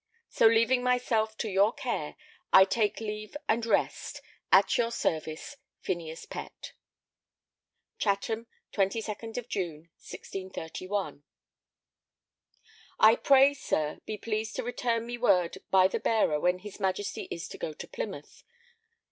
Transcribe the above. So leaving myself to your care I take leave and rest At your service, PHINEAS PETT. Chatham, 22nd June, 1631. I pray, sir, be pleased to return me word by this bearer when his Majesty is to go to Portsmouth.